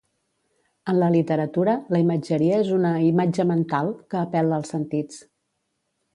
En la literatura, la imatgeria és una "imatge mental" que apel·la als sentits.